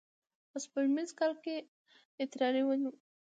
په سپوږمیز کال کې یې اترار ونیو.